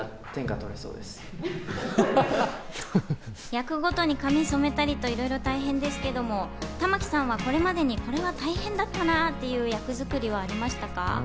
役ごとに髪を染めたりと、いろいろ大変ですけれども、玉木さんはこれまでに、これは大変だったなぁっていう役作りはありましたか？